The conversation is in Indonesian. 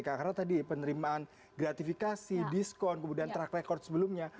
karena tadi penerimaan gratifikasi diskon kemudian track record sebelumnya